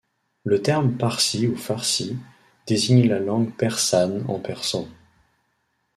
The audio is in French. Le terme parsi ou farsi désigne la langue persane en persan.